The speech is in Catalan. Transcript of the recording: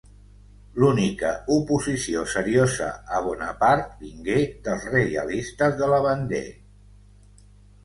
L'única oposició seriosa a Bonaparte vingué dels reialistes de la Vendée.